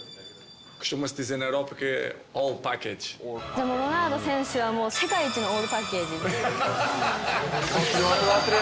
じゃあ、ロナウド選手はもう世界一のオールパッケージ。